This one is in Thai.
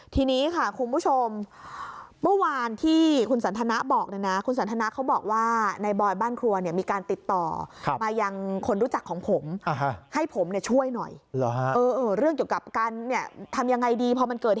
ทีนี้ค่ะครูผู้ชมเมื่อวันที่